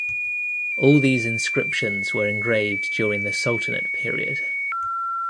All these inscriptions were engraved during the Sultanate period.